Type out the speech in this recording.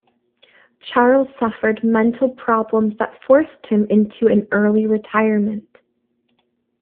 Charles suffered mental problems that forced him into an early retirement.